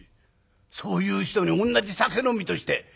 そういう人におんなじ酒飲みとして！